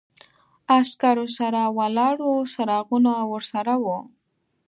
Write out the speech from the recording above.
عسکرو سره ولاړ و، څراغونه ورسره و.